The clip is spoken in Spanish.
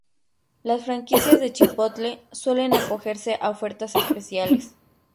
Las franquicias de Chipotle suelen acogerse a ofertas especiales.